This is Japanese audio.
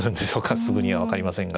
すぐには分かりませんが。